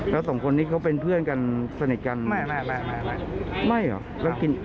แล้วสองคนนี้เขาเป็นเพื่อนกันสนิทกันไม่ไม่ไม่ไม่เหรอแล้วกิน